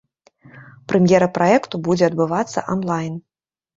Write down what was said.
Прэм'ера праекту будзе адбывацца анлайн.